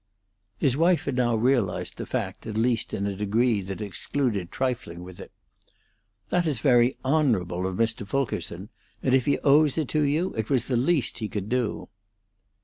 His wife had now realized the fact, at least in a degree that excluded trifling with it. "That is very honorable of Mr. Fulkerson; and if he owes it to you, it was the least he could do."